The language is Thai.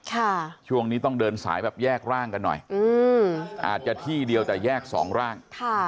ช่วงนี้ต้องเดินสายแบบแยกร่างกันหน่อยอืมอาจจะที่เดียวแต่แยกสองร่างค่ะ